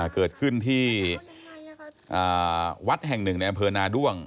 เกิดขึ้นที่วัดแห่งหนึ่งในอำเภอนาด้วง